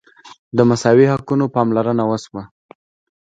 د مساوي حقونو پاملرنه وشوه.